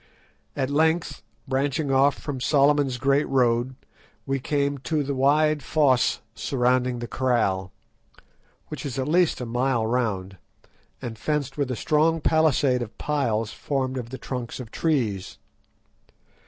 At length, branching off from Solomon's Great Road, we came to the wide fosse surrounding the kraal, which is at least a mile round, and fenced with a strong palisade of piles formed of the trunks of trees.